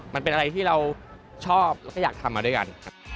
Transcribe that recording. มันเป็นอะไรที่เราชอบแล้วก็อยากทำมาด้วยกันครับ